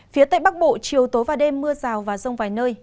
phía tây bắc bộ chiều tối và đêm mưa rào và rông vài nơi